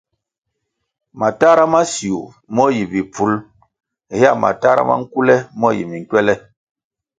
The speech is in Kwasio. Matahra ma siu mo yi bipful hea matahra ma nkule mo yi minkwele.